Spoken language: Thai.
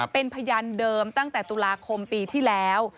เป็นพยานเดิมตั้งแต่ตุลาคมปีที่แล้ว